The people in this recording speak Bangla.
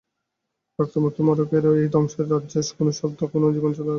রক্তমুখী মড়কের এই ধ্বংসের রাজ্যে কোনো শব্দ, কোনো জীবনচাঞ্চল্য আর নেই।